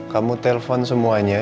kamu telpon semuanya